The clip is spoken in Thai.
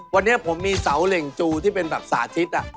วันนี้ผมมีเสาเหล่งจูที่เป็นแบบสาธิต